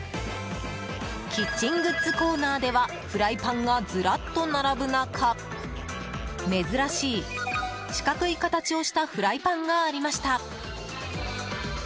キッチングッズコーナーではフライパンがずらっと並ぶ中珍しい四角い形をしたフライパンがありました。